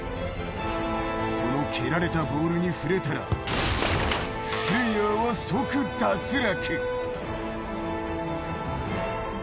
その蹴られたボールに触れたら、プレイヤーは即脱落。